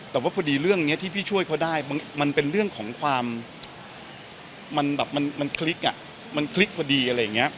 แต่ว่าพอดีเรื่องนี้ที่พี่ช่วยเขาได้มันเป็นเรื่องของความมันคลิกพอดีอะไรอย่างนี้